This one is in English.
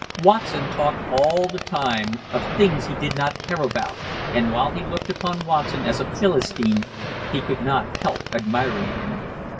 Watson talked all the time of things he did not care about, and while he looked upon Watson as a Philistine he could not help admiring him.